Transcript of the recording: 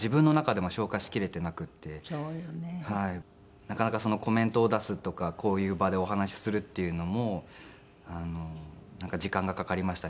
なかなかコメントを出すとかこういう場でお話しするっていうのも時間がかかりましたね